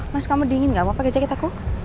mas kamu dingin gak mau pake jaket aku